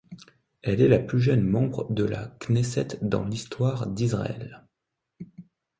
Elle est la plus jeune membre de la Knesset dans l'histoire d'Israël.